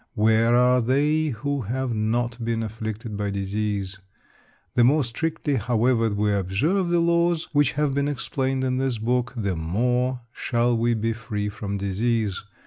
Where are they who have not been afflicted by disease? The more strictly, however, we observe the laws which have been explained in this book, the more shall we be free from disease.